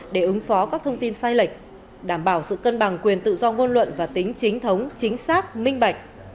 để ứng phó các thông tin sai lệch đảm bảo sự cân bằng quyền tự do ngôn luận và tính chính thống chính xác minh bạch